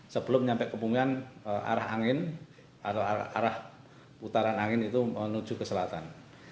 sebelum sampai ke bumian arah angin atau arah putaran angin itu menuju ke selatan